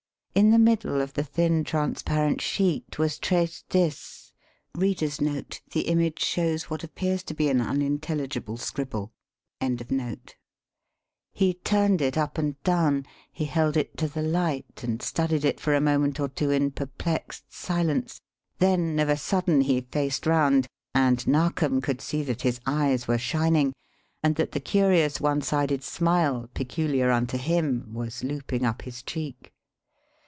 In the middle of the thin, transparent sheet was traced this: [Illustration of a handwritten message] He turned it up and down, he held it to the light and studied it for a moment or two in perplexed silence, then of a sudden he faced round, and Narkom could see that his eyes were shining and that the curious one sided smile, peculiar unto him, was looping up his cheek.